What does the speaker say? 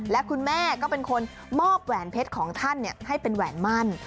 และคุณแม่ก็เป็นคนมอบแหวนเพชรของท่านให้เป็นแหวนมั่น